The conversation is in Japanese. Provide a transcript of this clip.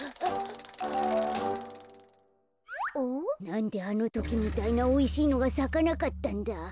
なんであのときみたいなおいしいのがさかなかったんだ。